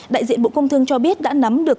đại diện bộ công thương cho biết đã nắm được